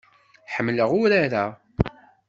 Ḥemmleɣ urar-a.